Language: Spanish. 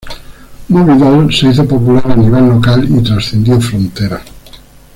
Moby Doll se hizo popular a nivel local y trascendió fronteras.